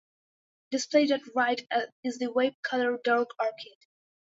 Displayed at right is the web color dark orchid.